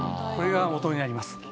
これがもとになります。